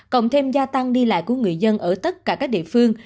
cộng thêm gia tăng đi lại của người dân ở tất cả các địa phương